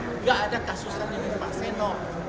enggak ada kasus yang ini pak seno